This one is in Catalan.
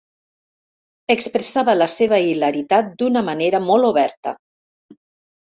Expressava la seva hilaritat d'una manera molt oberta.